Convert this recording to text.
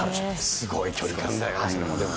すごい距離感だよ。